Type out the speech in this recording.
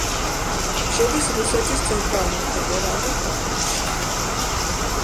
შედის რუსეთის ცენტრალურ ფედერალურ ოკრუგში.